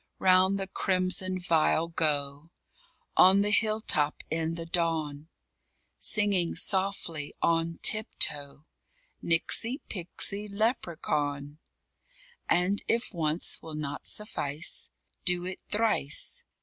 _Round the crimson vial go On the hill top, in the dawn, Singing softly, on tip toe, "Nixie pixie leprechaun!" And, if once will not suffice, Do it thrice.